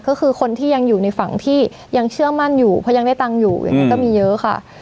ก็คือคนที่ยังอยู่ในฝั่งที่ยังเชื่อมั่นอยู่เพราะยังได้ตังค์อยู่อย่างนั้นก็มีเยอะค่ะ